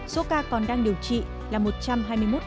số ca còn đang điều trị là một trăm hai mươi một ca